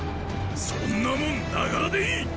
そんなもん“ながら”でいい！